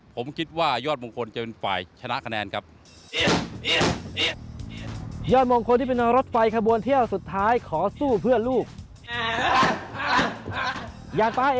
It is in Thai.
ผมคิดว่ายอดมงคลจะเป็นฝ่าย